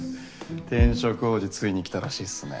転職王子ついに来たらしいっすね。